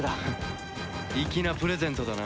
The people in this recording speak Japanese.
粋なプレゼントだな。